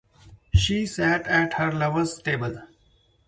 She sat at her lover's table.